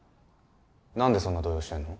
何でそんな動揺してんの？